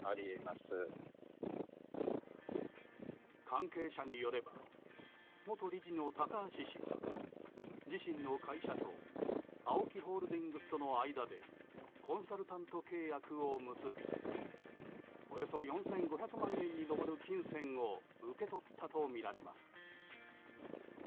関係者によれば元理事の高橋氏は自身の会社とＡＯＫＩホールディングスとの間でコンサルタント契約を結びおよそ４５００万円に上る金銭を受け取ったとみられます。